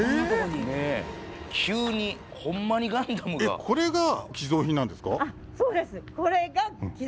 えっこれが寄贈品なんですか？